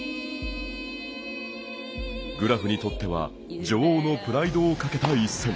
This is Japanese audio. グラフにとっては女王のプライドをかけた１戦。